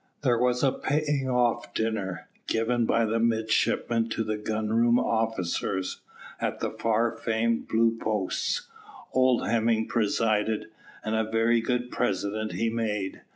There was a paying off dinner, given by the midshipmen to the gun room officers, at the far famed Blue Posts. Old Hemming presided, and a very good president he made.